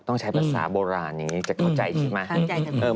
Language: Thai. ต้องใช้ภาษาโบราณอย่างนี้จะเข้าใจใช่ไหม